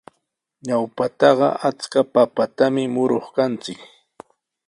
Ñawpaqa achka papatami muruq kanchik.